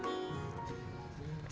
kegiatan menggambar ini misalnya